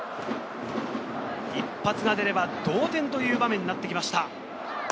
一発が出れば同点という場面になってきました。